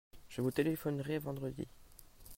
Je vous téléphonerai vendredi.